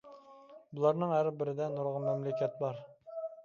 بۇلارنىڭ ھەر بىرىدە نۇرغۇن مەملىكەت بار.